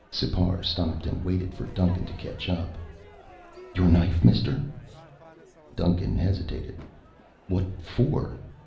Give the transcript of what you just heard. Sipar stopped and waited for Duncan to catch up. "Your knife, mister?" Duncan hesitated. "What for?"